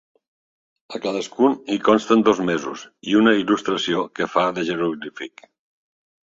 A cadascun hi consten dos mesos i una il·lustració que fa de jeroglífic.